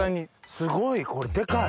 すごいこれデカい！